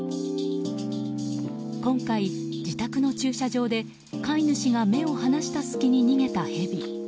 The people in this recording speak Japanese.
今回、自宅の駐車場で飼い主が目を離した隙に逃げたヘビ。